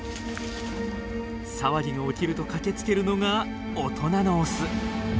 騒ぎが起きると駆けつけるのが大人のオス。